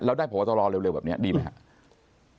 แล้วได้พบตรเร็วแบบนี้ดีไหมครับ